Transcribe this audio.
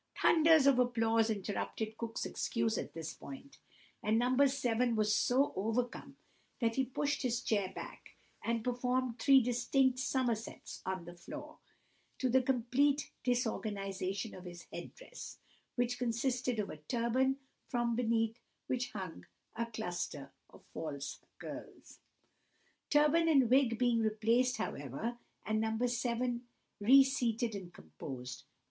'" Thunders of applause interrupted Cook's excuse at this point, and No. 7 was so overcome that he pushed his chair back, and performed three distinct somersets on the floor, to the complete disorganization of his head dress, which consisted of a turban, from beneath which hung a cluster of false curls. Turban and wig being replaced, however, and No. 7 reseated and composed, No.